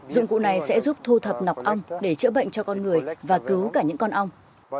dụng cụ này sẽ giúp thu thập nọc ong để chữa bệnh cho con người và cứu cả những con ong